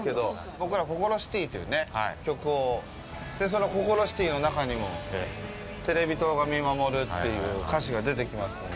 僕ら「ココロシティ」という曲をその「ココロシティ」の中にもテレビ塔が見守るっていう歌詞が出てきますので。